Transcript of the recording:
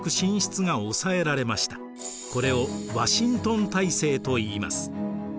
これをワシントン体制といいます。